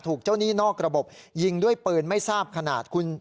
ถูกเจ้าหนี้นอกระบบยิงด้วยปืนไม่ทราบขนาด